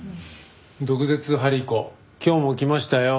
「毒舌ハリコ今日も来ましたよ」